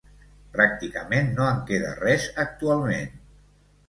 Pràcticament no en queda res actualment.